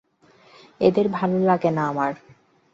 এদের ভালো লাগে না আমার।